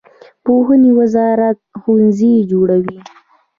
پوهنې وزارت ښوونځي جوړوي